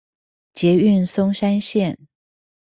捷運松山線